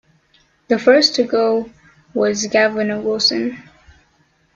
The first to go was Governor Wilson.